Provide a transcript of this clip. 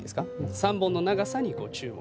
３本の長さにご注目。